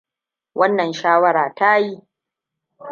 Wannan shawara ta yi!